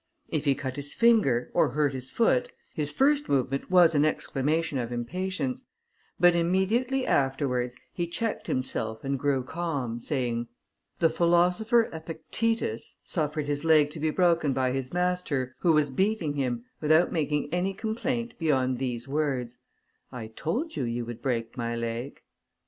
If he cut his finger, or hurt his foot, his first movement was an exclamation of impatience, but immediately afterwards he checked himself and grew calm, saying, "The philosopher Epictetus suffered his leg to be broken by his master, who was beating him, without making any complaint beyond these words: '_I told you you would break my leg.